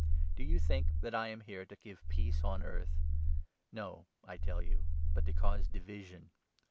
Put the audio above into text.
Do you think that I am here to 51 give peace on earth ? No, I tell you, but to cause division.